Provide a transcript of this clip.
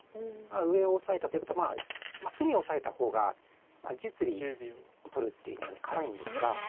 上をオサえたということは隅をオサえた方が実利を取るっていう意味なんで辛いんですが。